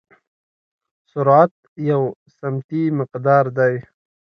سرعت یو سمتي مقدار دی.